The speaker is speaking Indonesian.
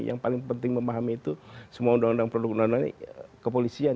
yang paling penting memahami itu semua undang undang produk undang undang ini kepolisian